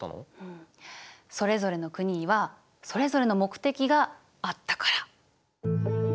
それぞれの国にはそれぞれの目的があったから。